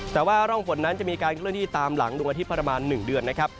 แต่ว่าร่องฝนนั้นจะมีการเคลื่อนที่ตามหลังดวงอาทิตย์ประมาณ๑เดือนนะครับ